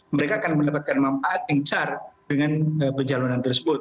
mereka akan mendapatkan manfaat yang car dengan perjalunan tersebut